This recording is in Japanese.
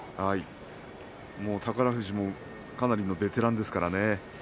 宝富士もかなりのベテランですからね。